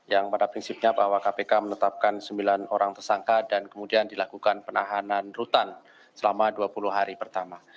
yang pada prinsipnya bahwa kpk menetapkan sembilan orang tersangka dan kemudian dilakukan penahanan rutan selama dua puluh hari pertama